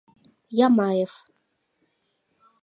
Ямаев